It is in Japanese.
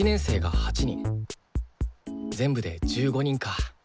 全部で１５人か。